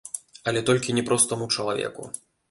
Але толькі не простаму чалавеку.